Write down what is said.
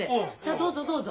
どうぞどうぞ。